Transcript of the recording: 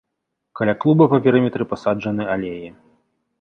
Каля клуба па перыметры пасаджаны алеі.